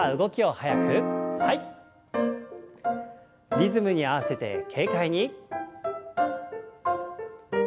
リズムに合わせて軽快に。